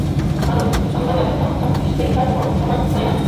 কারণ সংবাদ কখনো চাক্ষুস দেখার সমান হয় না।